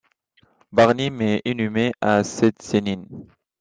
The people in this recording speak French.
Barnim est inhumé à Szczecin.